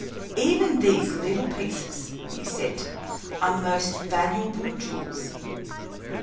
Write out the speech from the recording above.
"Even these little pieces," he said, "are most valuable jewels."